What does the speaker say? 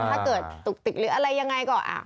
ถ้าเกิดตุ๊กติ๊กหรืออะไรยังไงก็